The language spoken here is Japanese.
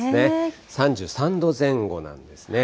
３３度前後なんですね。